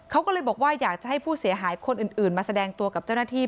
เขาก็เลยบอกว่าอยากจะให้ผู้เสียหายคนอื่นมาแสดงตัวกับเจ้าหน้าที่